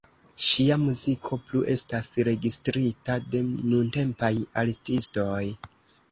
Ŝia muziko plu estas registrita de nuntempaj artistoj.